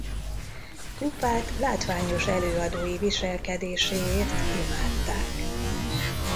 Krupát látványos előadói viselkedéséért imádták.